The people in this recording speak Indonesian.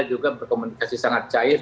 juga berkomunikasi sangat cair